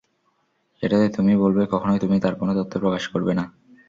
যেটাতে তুমি বলবে, কখনোই তুমি তার কোনো তথ্য প্রকাশ করবে না।